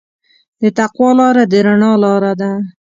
د تقوی لاره د رڼا لاره ده.